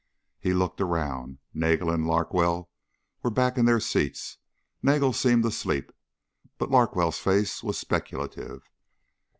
He looked around. Nagel and Larkwell were back in their seats. Nagel seemed asleep, but Larkwell's face was speculative.